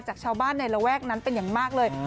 จากชาวบ้านในระแวกนั้นเป็นอย่างมากเลย